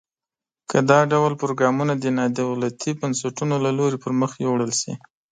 که دا ډول پروګرامونه د نا دولتي بنسټونو له لوري پرمخ یوړل شي.